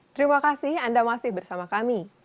terima kasih anda masih bersama kami